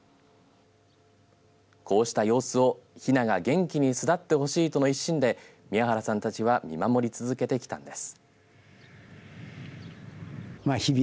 こうした様子をひなが元気に育ってほしいとの一心で宮原さんたちは見守り続けてきたんです。